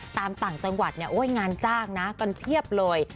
ต่างจังหวัดเนี่ยโอ้ยงานจ้างนะกันเพียบเลย